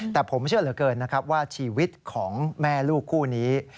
แต่ผมเชื่อเหลือเกินนะครับว่าชีวิตของแม่ลูกคู่นี้